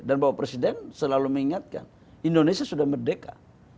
dan bahwa presiden selalu mengingatkan indonesia sudah merdeka